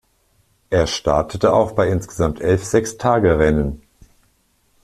Er startete auch bei insgesamt elf Sechstagerennen.